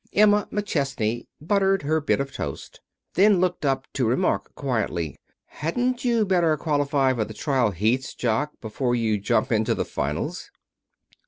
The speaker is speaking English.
Emma McChesney buttered her bit of toast, then looked up to remark quietly: "Hadn't you better qualify for the trial heats, Jock, before you jump into the finals?"